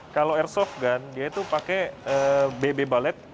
kalau airsoft gun dia itu pakai bb bullet